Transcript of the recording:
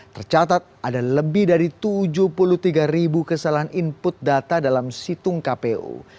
tercatat ada lebih dari tujuh puluh tiga ribu kesalahan input data dalam situng kpu